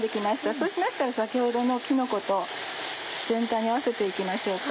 そうしましたら先ほどのきのこと全体に合わせて行きましょうか。